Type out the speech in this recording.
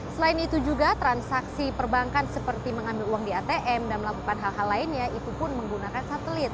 selain itu juga transaksi perbankan seperti mengambil uang di atm dan melakukan hal hal lainnya itu pun menggunakan satelit